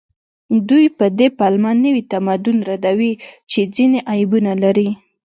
دوی په دې پلمه نوي تمدن ردوي چې ځینې عیبونه لري